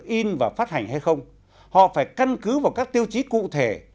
in và phát hành hay không họ phải căn cứ vào các tiêu chí cụ thể